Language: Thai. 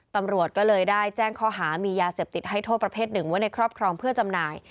ตำรวจก็เลยได้แจ้งข้อหามียาเสพติดให้โทษประเภทหนึ่งไว้ในครอบครองเพื่อจำหน่าย